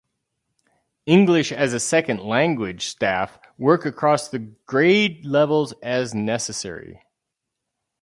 English as a Second Language staff work across the grade levels as necessary.